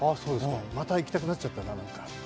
また行きたくなっちゃう。